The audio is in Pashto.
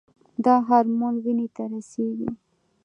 دا هورمون وینې ته رسیږي.